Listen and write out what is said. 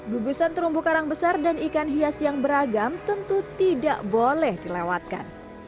gugusan terumbu karang besar dan ikan hias yang beragam tentu tidak boleh dilewatkan